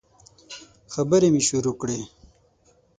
خبري مي شروع کړې !